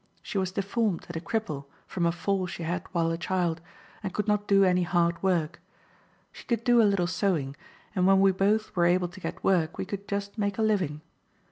She was deformed and a cripple from a fall she had while a child, and could not do any hard work. She could do a little sewing, and when we both were able to get work we could just make a living.